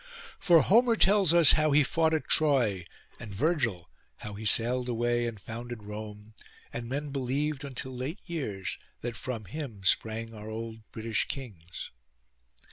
For Homer tells us how he fought at Troy, and Virgil how he sailed away and founded Rome; and men believed until late years that from him sprang our old British kings.